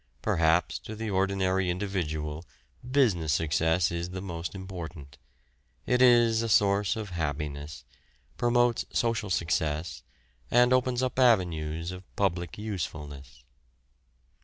Perhaps to the ordinary individual business success is the most important; it is a source of happiness, promotes social success, and opens up avenues of public usefulness.